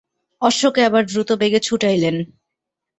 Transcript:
অশ্বকে আবার দ্রুতবেগে ছুটাইলেন।